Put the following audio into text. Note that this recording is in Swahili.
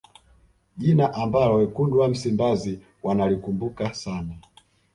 jina ambalo wekundu wa msimbazi wanalikumbuka sana